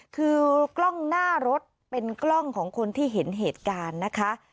คือกล้องหน้ารถเป็นกล้องของคนที่เห็นเหตุการณ์นะคะ